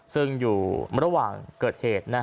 ซึ่งอยู่ระหว่างเกิดเหตุ